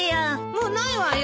もうないわよ。